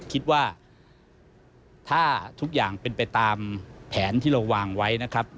คิดว่าถ้าทุกอย่างเป็นไปตามแผนที่เราวางไว้นะครับ